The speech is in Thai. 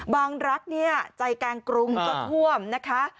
บางรักษ์ใจแกงกรุงก็ท่วมนะคะ